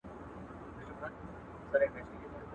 دې ساحل باندي څرک نسته د بيړیو.